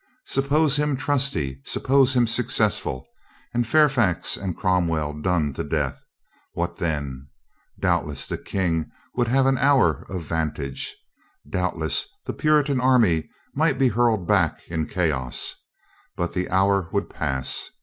Suppose him trusty, suppose him successful, and Fairfax and Cromwell done to death, what then? Doubtless the King would have an hour of vantage. Doubtless the Puritan army might be hurled back in chaos. But the hour would pass.